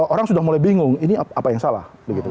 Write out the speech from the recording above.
orang sudah mulai bingung ini apa yang salah